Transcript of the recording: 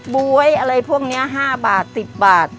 บ๊วยอะไรพวกนี้๕บาท๑๐บาท